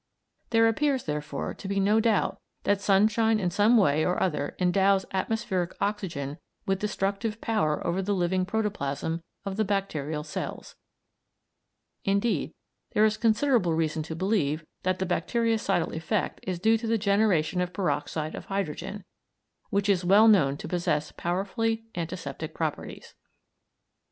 There appears, therefore, to be no doubt that sunshine in some way or other endows atmospheric oxygen with destructive power over the living protoplasm of the bacterial cells; indeed, there is considerable reason to believe that the bactericidal effect is due to the generation of peroxide of hydrogen, which is well known to possess powerfully antiseptic properties.